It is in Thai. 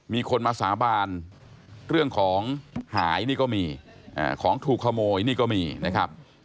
มีคนมาสาบานเรื่องของหายนี่ก็มีของถูกขโมยนี่ก็มีนะครับ